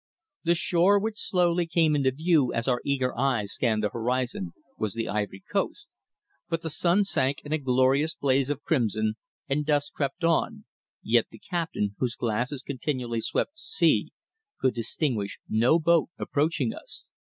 The shore which slowly came into view as our eager eyes scanned the horizon was the Ivory Coast, but the sun sank in a glorious blaze of crimson, and dusk crept on, yet the captain, whose glasses continually swept the sea, could distinguish no boat approaching us.